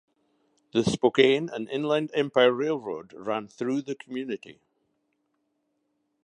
The Spokane and Inland Empire Railroad ran through the community.